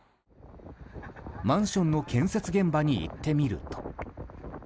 マンションの建設現場に行ってみると。